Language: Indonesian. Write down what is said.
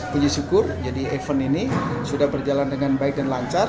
puji syukur jadi event ini sudah berjalan dengan baik dan lancar